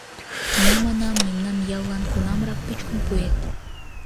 Ну, манам, мемнан яллан кунамрак пӱчкын пуэт?